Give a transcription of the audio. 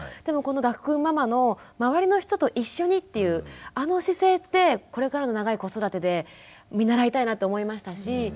でもこの岳くんママの周りの人と一緒にっていうあの姿勢ってこれからの長い子育てで見習いたいなって思いましたし。